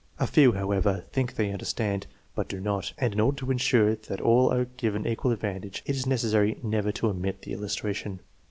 A few, however, think they understand, but do not; and in order to insure that all are given equal advantage it is necessary never to omit the illustration.